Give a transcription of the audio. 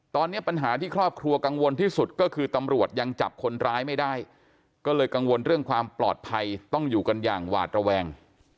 ตอนนี้ปัญหาที่ครอบครัวกังวลที่สุดก็คือตำรวจยังจับคนร้ายไม่ได้ก็เลยกังวลเรื่องความปลอดภัยต้องอยู่กันอย่างหวาดระแวง